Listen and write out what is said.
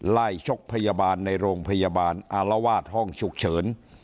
ชกพยาบาลในโรงพยาบาลอารวาสห้องฉุกเฉิน